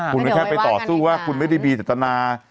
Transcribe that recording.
คุณก็แค่ไปต่อสู้ว่าคุณไม่ได้มีจัตนา